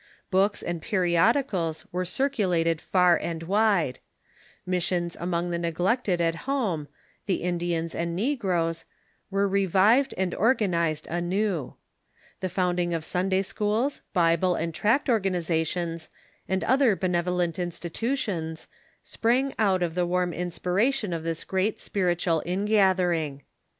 Books and periodicals were circulated far and wide. Missions among the neglected at home, the Indians and negroes, were revived and organized 506 THE CHURCH IN THE UNITED STATES anew. The founding of Sunday schools, Bible and tract or ganizations, and other benevolent institutions, sprang out of the warm inspiration of this gi eat spiritual ingathering.